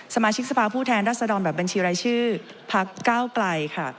สมาชิกสภาพผู้แทนรัศดรแบบบัญชีรายชื่อพักเก้าไกลค่ะ